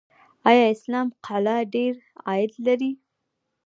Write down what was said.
آیا اسلام قلعه ډیر عاید لري؟